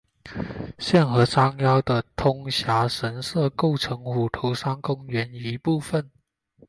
现和山腰的通霄神社构成虎头山公园一部分。